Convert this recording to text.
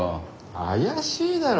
怪しいだろ。